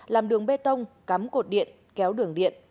làm đường bê tông cắm cột điện kéo đường điện